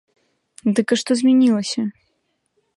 Дык а што змянілася?